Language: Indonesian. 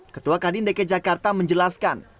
ketua kadin dki jakarta menjelaskan